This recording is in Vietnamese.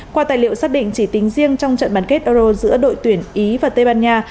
qua tài liệu xác định chỉ tính riêng trong trận bán kết euro giữa đội tuyển ý và tây ban nha